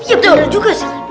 iya bener juga ustadz